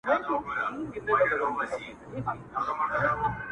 چي له غله سره د کور د سړي پل وي؛